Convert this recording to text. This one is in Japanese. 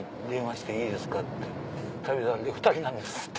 「『旅猿』で２人なんです